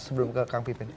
sebelum ke kang pipin